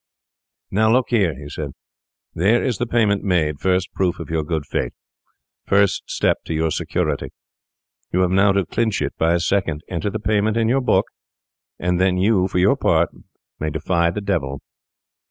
'Now, look here,' he said, 'there is the payment made—first proof of your good faith: first step to your security. You have now to clinch it by a second. Enter the payment in your book, and then you for your part may defy the devil.